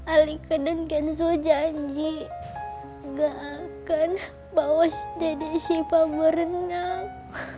alika dan kenzo janji gak akan bawa dede siva berenang